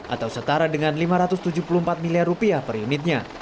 atau setara dengan lima ratus tujuh puluh empat miliar rupiah per unitnya